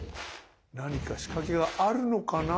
何か仕掛けがあるのかな？